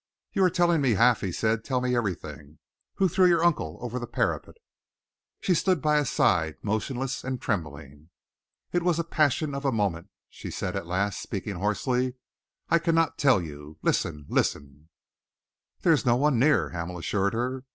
"You are telling me half," he said. "Tell me everything. Who threw your uncle over the parapet?" She stood by his side, motionless and trembling. "It was the passion of a moment," she said at last, speaking hoarsely. "I cannot tell you. Listen! Listen!" "There is no one near," Hamel assured her.